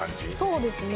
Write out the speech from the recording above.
そうですね